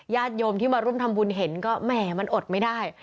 ญาติโยมที่มาร่วมทำบุญเห็นก็แหมมันอดไม่ได้